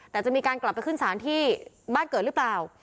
แต่จะมีการกลับไปขึ้นศาลที่บ้านเกิดหรือเปล่า